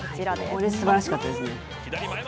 これ、すばらしかったですね。